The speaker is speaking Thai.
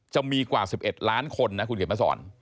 จะมีกว่า๑๑ล้านคนนะคุณเขียนมาสอน